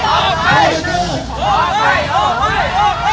ออกไปออกไปออกไป